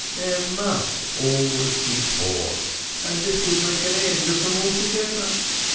There must always be poor, and this would make an end of them altogether!